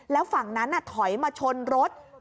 แล้วฝั่งนั้นถอยมาชนรถ